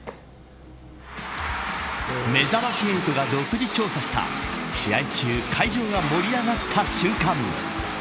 めざまし８が独自調査した試合中、会場が盛り上がった瞬間。